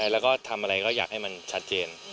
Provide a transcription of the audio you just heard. แล้วก็ทำอะไรก็อยากให้มันชัดเจน